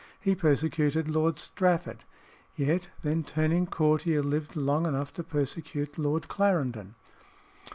He persecuted Lord Strafford, yet then turning courtier, lived long enough to persecute Lord Clarendon.